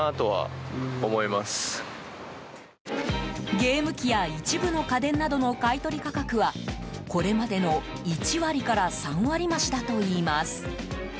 ゲーム機や一部の家電などの買い取り価格はこれまでの１割から３割増しだといいます。